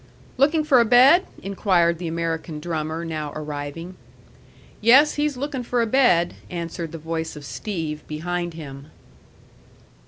"Looking for a bed?" inquired the American drummer, now arriving. "Yes, he's looking for a bed," answered the voice of Steve behind him.